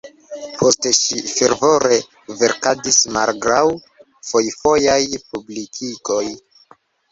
Poste ŝi fervore verkadis malgraŭ fojfojaj publikigoj.